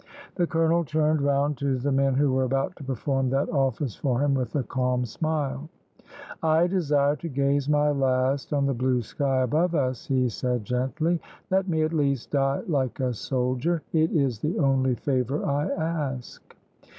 The colonel turned round to the men who were about to perform that office for him with a calm smile. "I desire to gaze my last on the blue sky above us," he said gently. "Let me at least die like a soldier it is the only favour I ask."